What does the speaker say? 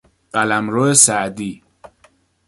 قلمرو سعدی